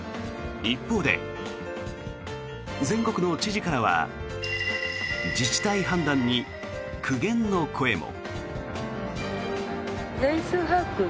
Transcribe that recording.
一方で、全国の知事からは自治体判断に苦言の声も。